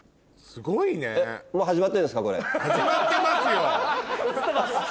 すごいわ。